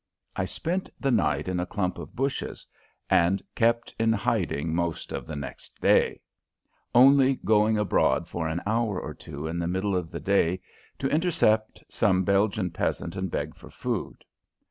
I spent the night in a clump of bushes and kept in hiding most of the next day, only going abroad for an hour or two in the middle of the day to intercept some Belgian peasant and beg for food.